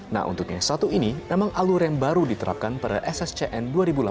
nah untuk yang satu ini memang alur yang baru diterapkan pada sscn dua ribu delapan belas